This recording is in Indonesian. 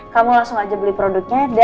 kamu langsung aja beli produknya